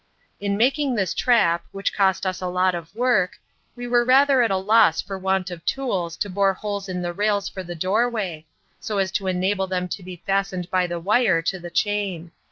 In making this trap, which cost us a lot of work, we were rather at a loss for want of tools to bore holes in the rails for the doorway, so as to enable them to be fastened by the wire to the chain.